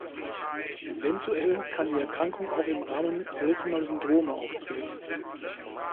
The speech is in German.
Eventuell kann die Erkrankung auch im Rahmen seltener Syndrome auftreten.